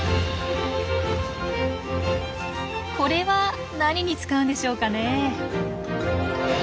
これは何に使うんでしょうかね。